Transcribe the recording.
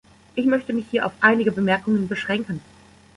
Ich möchte mich hier auf einige Bemerkungen beschränken.